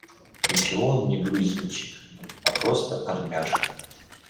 Ничего он не грузинчик, а просто армяшка